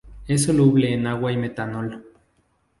Es soluble en agua y metanol.